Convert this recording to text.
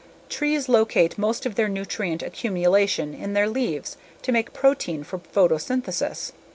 Trees locate most of their nutrient accumulation in their leaves to make protein for photosynthesis.